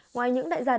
ngoài những đại gia nào